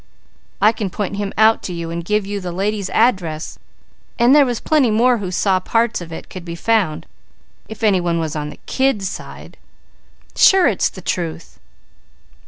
I can point him out to you, and give you the lady's address, and there were plenty more who saw parts of it could be found if anybody was on the kid's side. Sure it's the truth!